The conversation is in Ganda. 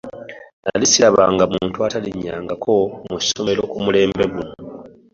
Nnali ssirabanga ku muntu atalinnyangako mu ssomero ku mulembe guno.